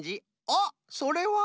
あっそれは？